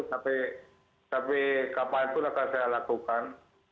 tapi kapanpun akan saya lakukan